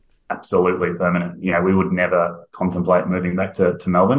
pasti kita tidak akan berpikir pikir untuk berpindah ke melbourne